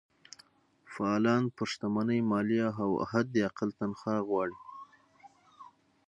فعالان پر شتمنۍ مالیه او حداقل تنخوا غواړي.